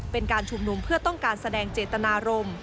เป็นการชุมนุมเพื่อต้องการแสดงเจตนารมณ์